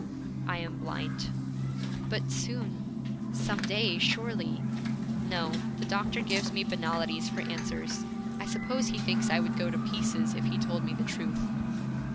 'I am blind.' 'But soon some day, surely ' 'No. The doctor gives me banalities for answers. I suppose he thinks I would go to pieces if he told me the truth.'